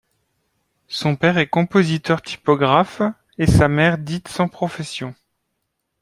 Son père est compositeur typographe et sa mère dite sans profession.